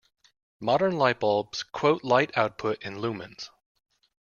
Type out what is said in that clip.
Modern lightbulbs quote light output in lumens.